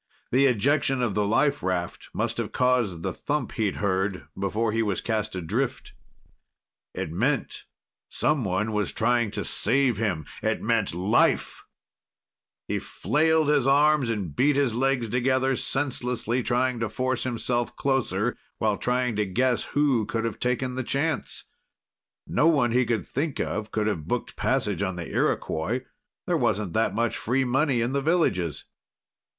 The ejection of the life raft must have caused the thump he'd heard before he was cast adrift. It meant someone was trying to save him. It meant life! He flailed his arms and beat his legs together, senselessly trying to force himself closer, while trying to guess who could have taken the chance. No one he could think of could have booked passage on the Iroquois. There wasn't that much free money in the villages.